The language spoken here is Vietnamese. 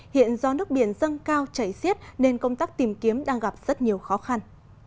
hiện do nước biển dâng cao chảy xiết nên công tác tìm kiếm đang gặp rất nhiều khó khăn